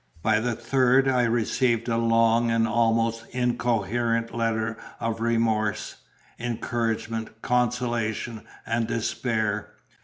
By the third I received a long and almost incoherent letter of remorse, encouragement, consolation, and despair.